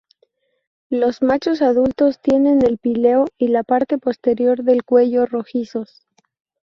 Los machos adultos tienen el píleo y la parte posterior del cuello rojizos.